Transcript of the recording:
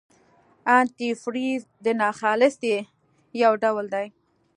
انتي فریز د ناخالصۍ یو ډول دی.